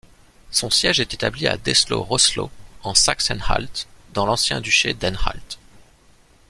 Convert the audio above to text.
Son siège est établi à Dessau-Roßlau, en Saxe-Anhalt, dans l'ancien duché d'Anhalt.